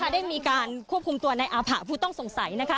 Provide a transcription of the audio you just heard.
ได้มีการควบคุมตัวในอาผะผู้ต้องสงสัย